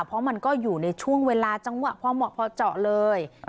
เพราะมันก็อยู่ในช่วงเวลาจังหวะพอเหมาะพอเจาะเลย